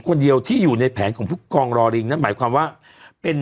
คนเดียวที่อยู่ในแผนของผู้กองรอลิงนั่นหมายความว่าเป็น